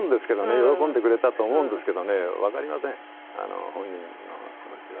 喜んでくれたと思うんですけどねわかりません本人の気持ちは。